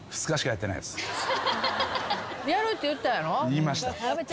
言いました。